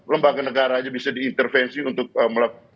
lembaga negara saja bisa diintervensi untuk melakukan